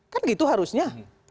kan gitu harusnya